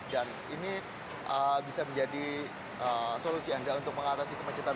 dan ini bisa menjadi solusi anda untuk mengatasi kemencetan